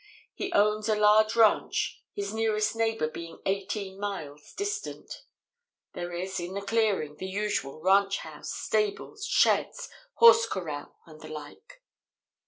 "He owns a large ranch, his nearest neighbor being eighteen miles distant. There is, in the clearing, the usual ranch house, stables, sheds, horse corral and the like.